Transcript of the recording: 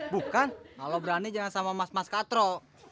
bukan kalau berani jangan sama mas mas katro